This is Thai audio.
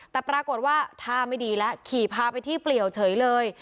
แต่ปรากฏว่าท่าไม่ดีแล้วขี่พาไปที่เปลี่ยวเฉยเลย